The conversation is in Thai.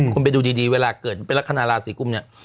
คุณไปดูดีเวลาเกิดเป็นลักษณะราศีกุมเนี่ย